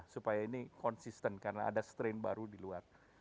supaya ini konsisten karena ada strain baru di luar